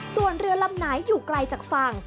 ส่วนเรือลำไหนอยู่ไกลจากฝั่ง